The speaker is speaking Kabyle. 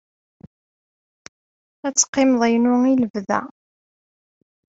Ad teqqimeḍ inu i lebda.